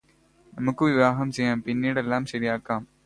നമുക്ക് വിവാഹം ചെയ്യാം പിന്നീടെല്ലാം ശരിയാക്കാം